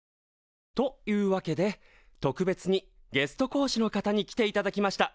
というわけで特別にゲスト講師の方に来ていただきました。